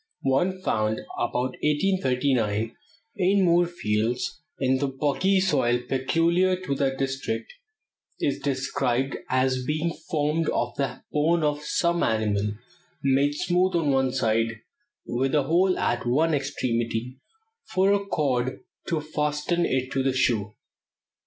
One found about 1839 in Moorfields, in the boggy soil peculiar to that district, is described as being formed of the bone of some animal, made smooth on one side, with a hole at one extremity for a cord to fasten it to the shoe.